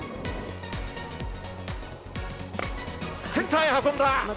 センターへ運んだ。